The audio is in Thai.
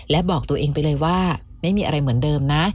และบอกตัวเองไปเลยว่าไม่มีอะไรเหมือนเดิมนะ